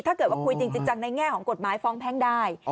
ถ้าเกิดว่าคุยจริงจังในแง่ของกฎหมายฟ้องแพ่งได้